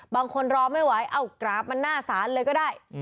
รอไม่ไหวเอ้ากราบมันหน้าศาลเลยก็ได้